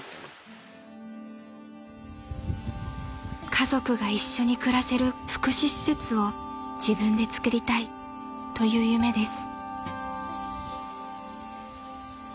［家族が一緒に暮らせる福祉施設を自分で造りたいという夢です］